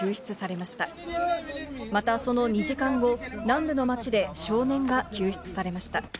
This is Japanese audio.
また、その２時間後、南部の街で少年が救出されました。